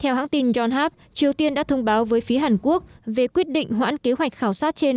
theo hãng tin john hap triều tiên đã thông báo với phía hàn quốc về quyết định hoãn kế hoạch khảo sát trên